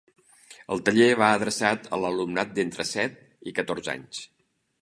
El taller va adreçat a l'alumnat d'entre set i catorze anys.